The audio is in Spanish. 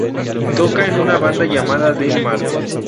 Toca en una banda llamada Del Mar.